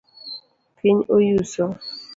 Piny oyuso.